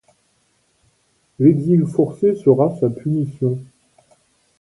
L'exil forcé sera sa punition.